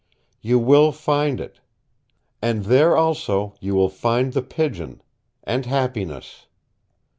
You will find it. And there also you will find The Pigeon and happiness.